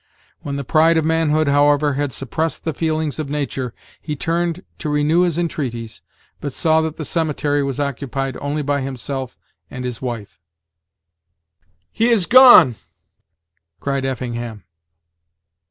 When the pride of manhood, however, had suppressed the feelings of nature, he turned to renew his entreaties, but saw that the cemetery was occupied only by himself and his wife. "He is gone!" cried Effingham.